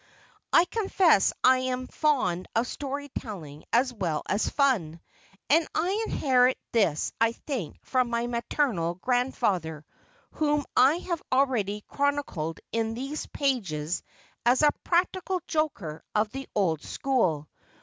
I confess that I am fond of story telling as well as fun, and I inherit this I think from my maternal grandfather, whom I have already chronicled in these pages as a "practical joker of the old school."